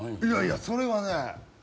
いやいやそれがね。